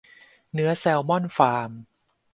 เนื้อแซลมอนฟาร์ม